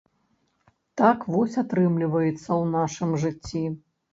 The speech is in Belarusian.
Так вось атрымліваецца ў нашым жыцці.